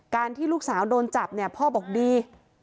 การที่ลูกสาวโดนจับพ่อบอกดี